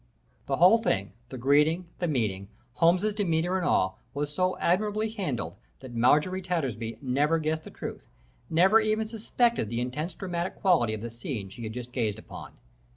"The whole thing, the greeting, the meeting, Holmes's demeanor and all, was so admirably handled that Marjorie Tattersby never guessed the truth, never even suspected the intense dramatic quality of the scene she had just gazed upon.